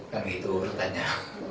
yang itu urutannya